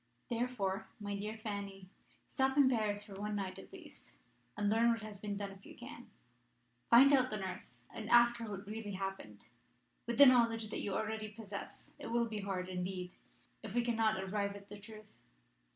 "Therefore, my dear Fanny, stop in Paris for one night at least, and learn what has been done if you can. Find out the nurse, and ask her what really happened. With the knowledge that you already possess, it will be hard, indeed, if we cannot arrive at the truth.